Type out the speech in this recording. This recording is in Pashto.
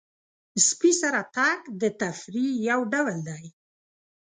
سپي سره تګ د تفریح یو ډول دی.